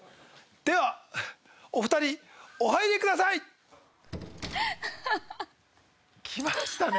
ではお二人お入りください！ハハハ！来ましたね。